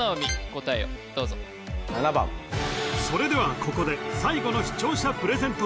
答えをどうぞ７番それではここで最後の視聴者プレゼント